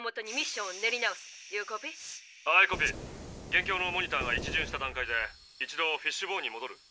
現況のモニターが一巡した段階で一度フィッシュボーンにもどる」。